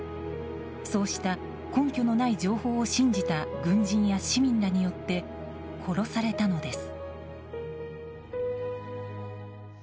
そうした根拠のない情報を信じた軍人や市民らによって殺されたのです。